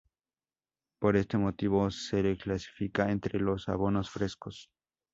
Por este motivo, se le clasifica entre los abonos frescos.